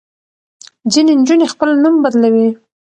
ځینې نجونې خپل نوم بدلوي.